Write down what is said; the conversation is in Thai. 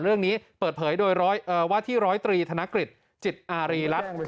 เรื่องนี้เปิดเผยโดยว่าที่๑๐๓ธนกฤษจิตอารีลักษณ์